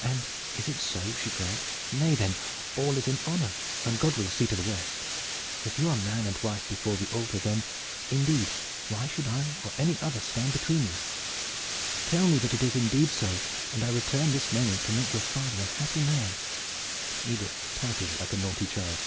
"And is it so?" she cried. "Nay, then all is in honor, and God will see to the rest. If you are man and wife before the altar, then indeed why should I, or any other, stand between you? Tell me that it is indeed so, and I return this moment to make your father a happy man." Edith pouted like a naughty child.